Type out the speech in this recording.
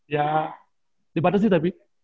ya dipatah sih tapi